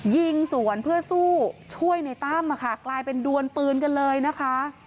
ยิงสวนเพื่อสู้ช่วยในตั้มค่ะกลายเป็นดวนปืนกันเลยนะคะ